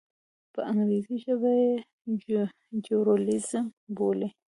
په انګریزي ژبه یې جیروزلېم بولي.